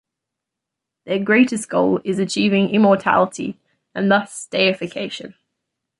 Their greatest goal is achieving immortality and thus deification.